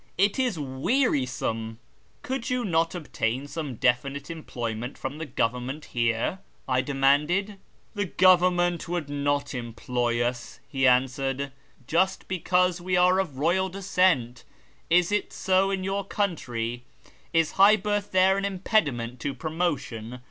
It is wearisome." " Could you not obtain some definite employment from the Government here ?" I demanded. " The Government would not employ us," he answered, " just because we are of royal descent. Is it so in your country ? Is high birth there an impediment to promotion